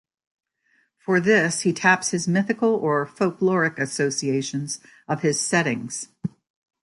For this, he taps the mythical or folkloric associations of his settings.